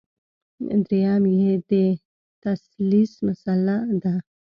درېیم یې د تثلیث مسله ده.